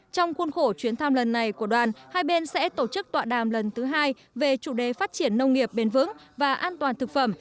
trong khuôn khổ chuyến thăm lần này của đoàn hai bên sẽ tổ chức tọa đàm lần thứ hai về chủ đề phát triển nông nghiệp bền vững và an toàn thực phẩm